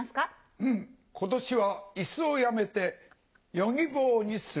うん今年は椅子をやめてヨギボーにする。